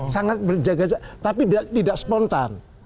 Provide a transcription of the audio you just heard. sangat berjaga jaga tapi tidak spontan